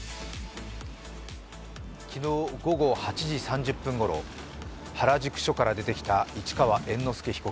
昨日午後８時３０分ごろ原宿署から出てきた市川猿之助被告